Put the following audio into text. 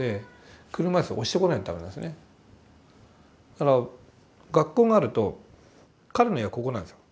だから学校があると彼の家はここなんですよ。